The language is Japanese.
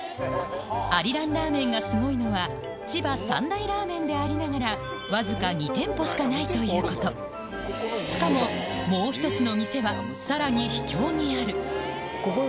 アリランラーメンがすごいのは千葉三大ラーメンでありながらわずか２店舗しかないということしかももう１つのヒドい？